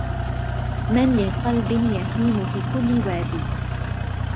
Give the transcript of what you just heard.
من لقلب يهيم في كل وادي